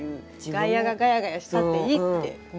外野がガヤガヤしたっていいって。